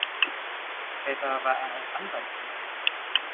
Später war er als Anwalt tätig.